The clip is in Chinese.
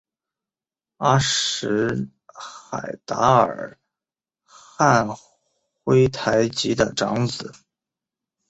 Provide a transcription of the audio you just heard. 阿什海达尔汉珲台吉的长子。